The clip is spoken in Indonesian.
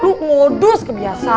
lu ngodus kebiasa